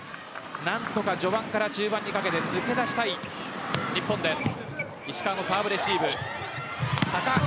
何とか序盤から中盤にかけて抜け出したい日本です。